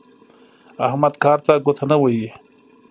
احمد کار ته ګوته نه وهي.